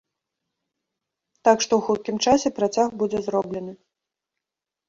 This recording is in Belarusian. Так што ў хуткім часе працяг будзе зроблены.